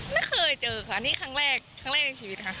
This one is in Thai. ไม่เคยเจอค่ะนี่ครั้งแรกครั้งแรกในชีวิตค่ะ